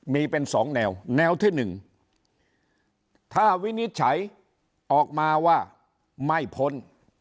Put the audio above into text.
มีเป็น๒แนวแนวที่๑ถ้าวินิจฉัยออกมาว่าไม่พ้น